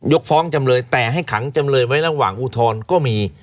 ฟ้องจำเลยแต่ให้ขังจำเลยไว้ระหว่างอุทธรณ์ก็มี